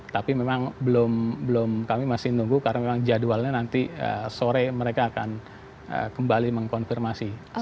tapi memang belum kami masih nunggu karena memang jadwalnya nanti sore mereka akan kembali mengkonfirmasi